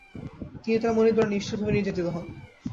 তিনি তার মনিব দ্বারা নিষ্ঠুরভাবে নির্যাতিত হন।